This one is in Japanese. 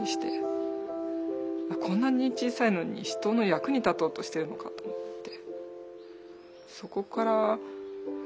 こんなに小さいのに人の役に立とうとしてるのかと思って。